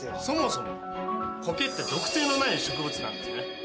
そもそもコケって毒性のない植物なんですね。